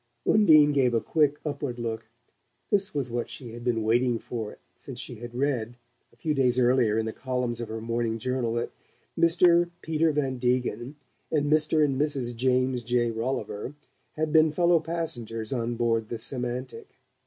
Undine gave a quick upward look: this was what she had been waiting for ever since she had read, a few days earlier, in the columns of her morning journal, that Mr. Peter Van Degen and Mr. and Mrs. James J. Rolliver had been fellow passengers on board the Semantic.